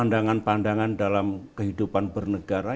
pandangan pandangan dalam kehidupan bernegara